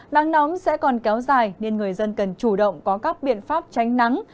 nắng nóng sẽ còn kéo dài nên người dân cần chủ động có các biện pháp tránh nắng